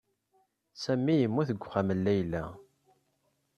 Sami yemmut deg uxxam n Layla.